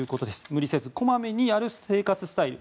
無理せずこまめにやる生活スタイル。